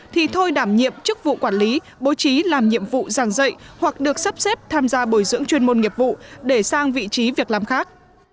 thì thôi đảm nhiệm chức vụ quản lý bố trí làm nhiệm vụ giảng dạy hoặc được sắp xếp tham gia bồi dưỡng chuyên môn nghiệp vụ để sang vị trí việc làm khác